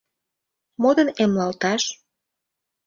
Мо дене эмлалташ?